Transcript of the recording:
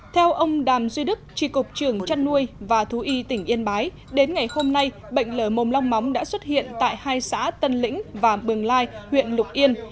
theo ông đàm duy đức tri cục trường chăn nuôi và thú y tỉnh yên bái đến ngày hôm nay bệnh lở mồm long móng đã xuất hiện tại hai xã tân lĩnh và bường lai huyện lục yên